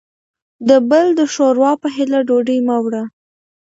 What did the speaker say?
د بل د ښور وا په هيله ډوډۍ مه وړوه.